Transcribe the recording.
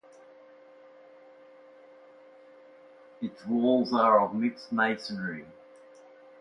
Its walls are of mixed masonry.